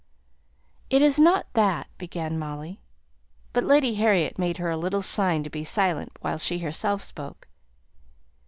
"It is not that," began Molly; but Lady Harriet made her a little sign to be silent while she herself spoke.